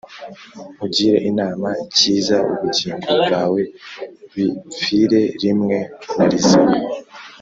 nkugire inama Kiza ubugingo bwawe bipfire rimwe na rizima